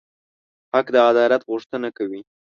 حق د عدالت غوښتنه کوي.